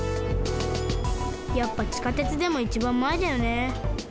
やっぱ地下鉄でもいちばんまえだよね。